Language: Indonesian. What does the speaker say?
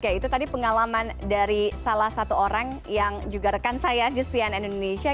oke itu tadi pengalaman dari salah satu orang yang juga rekan saya di cnn indonesia